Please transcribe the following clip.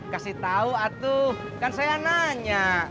kasih tahu atuh kan saya nanya